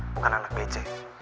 bukan anak bc